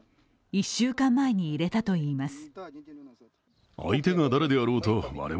１週間前に入れたといいます。